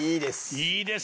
いいです。